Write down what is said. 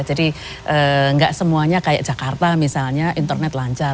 jadi tidak semuanya seperti jakarta misalnya internet lancar